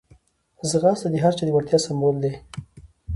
ځغاسته د هر چا د وړتیا سمبول دی